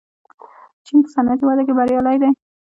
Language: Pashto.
چین په صنعتي وده کې بریالی دی.